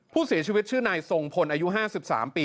ผู้เสียชีวิตชื่อนายทรงพลอายุ๕๓ปี